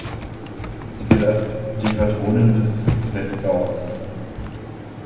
Sie gilt als die Patronin des Klettgaus.